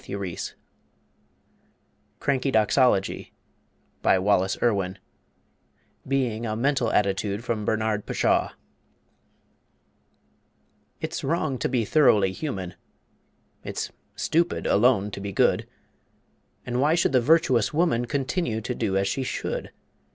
] CRANKIDOXOLOGY BY WALLACE IRWIN (Being a Mental Attitude from Bernard Pshaw) It's wrong to be thoroughly human, It's stupid alone to be good, And why should the "virtuous" woman Continue to do as she should?